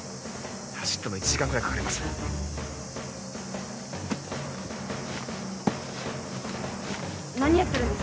走っても１時間くらいかかります何やってるんです？